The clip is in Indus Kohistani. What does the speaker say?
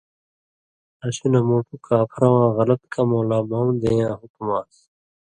اسی نہ مُوٹُھو کاپھرہ واں غلط کمؤں لا مؤں دېں یاں حکُم آن٘س،